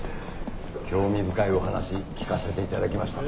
興味深いお話聞かせていただきました。